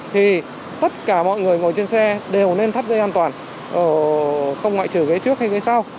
thì tất cả mọi người ngồi trên xe đều nên thắt dây an toàn không ngoại trừ ghế trước hay ghế sau